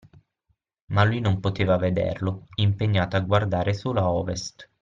Ma lui non poteva vederlo, impegnato a guardare solo a Ovest